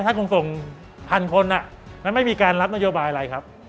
ท่านคงส่งพันคนมันไม่มีการรับนโยบายอะไรครับ